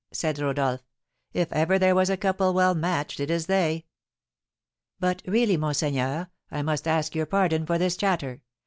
said Rodolph. "If ever there was a couple well matched it is they." "But really, monseigneur, I must ask your pardon for this chatter.